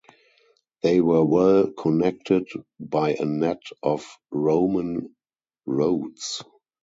They were well connected by a net of Roman roads.